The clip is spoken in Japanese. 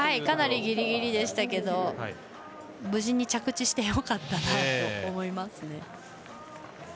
かなりギリギリでしたが無事に着地してよかったなと思いますね。